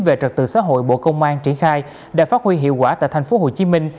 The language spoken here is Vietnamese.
về trật tự xã hội bộ công an triển khai đã phát huy hiệu quả tại tp hcm